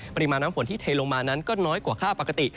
ปริมาณน้ำฝนที่เทลงมานั้นก็น้อยกว่าค่าปกติ